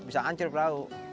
bisa hancur perahu